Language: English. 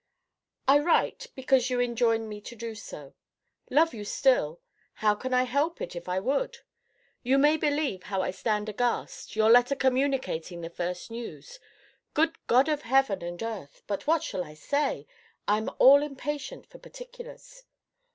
I write, because you enjoin me to do so. Love you still! How can I help it, if I would? You may believe how I stand aghast, your letter communicating the first news Good God of Heaven and Earth! But what shall I say? I am all impatient for particulars.